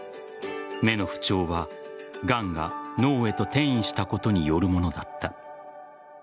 目の不調はがんが脳へと転移したことによるものだった。